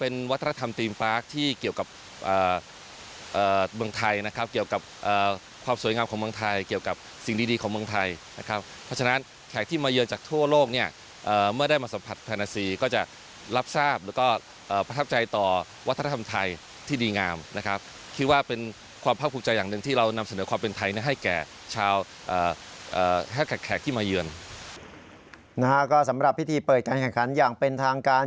นะครับก็สำหรับพิธีเปิดการแข่งขันอย่างเป็นทางการ